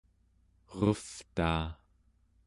erevtaa